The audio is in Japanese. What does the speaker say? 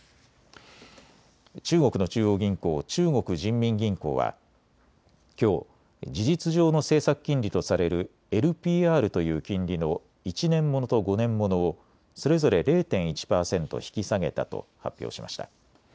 中国の中央銀行、中国人民銀行はきょう事実上の政策金利とされるＬＰＲという金利の１年ものと５年ものをそれぞれ０．１％引き下げたと発表しました。